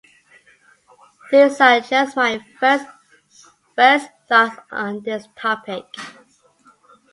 These are just my first thoughts on this topic